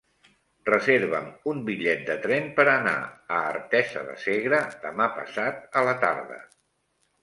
Reserva'm un bitllet de tren per anar a Artesa de Segre demà passat a la tarda.